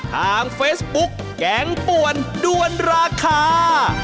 ทางเฟซบุ๊กแกงป่วนด้วนราคา